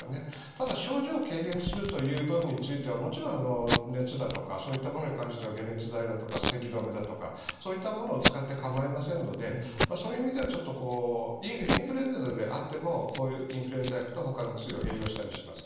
ただ、症状を軽減するという部分においてはもちろん熱だとかそういったものに関しては解熱剤だとかせき止めだとかそういったものを使って構いませんのでそういう意味ではインフルエンザであってもこういうインフルエンザ薬とほかの薬を併用したりします。